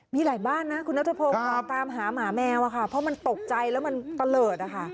มีหลายบ้านนะคุณนัฐพงค์ตามหาหมาแมวค่ะเพราะมันตกใจแล้วมันเตลอดค่ะ